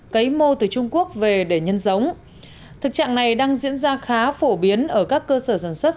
cấy mô từ trung quốc về để nhân giống thực trạng này đang diễn ra khá phổ biến ở các cơ sở sản xuất